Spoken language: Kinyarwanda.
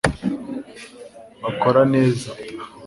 bakora neza